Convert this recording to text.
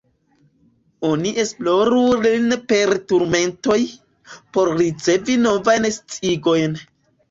Oni esploru lin per turmentoj, por ricevi novajn sciigojn.